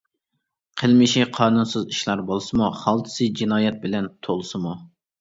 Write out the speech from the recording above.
قىلمىشى قانۇنسىز ئىشلار بولسىمۇ، خالتىسى جىنايەت بىلەن تولسىمۇ.